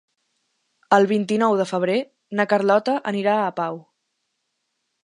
El vint-i-nou de febrer na Carlota anirà a Pau.